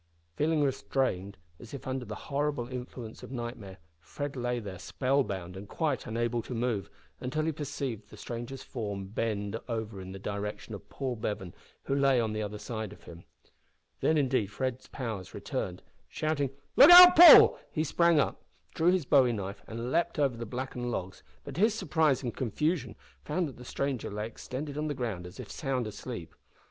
Feeling restrained, as if under the horrible influence of nightmare, Fred lay there spell bound and quite unable to move, until he perceived the stranger's form bend over in the direction of Paul Bevan, who lay on the other side of him. Then, indeed, Fred's powers returned. Shouting, "look out, Paul!" he sprang up, drew his bowie knife, and leaped over the blackened logs, but, to his surprise and confusion, found that the stranger lay extended on the ground as if sound asleep.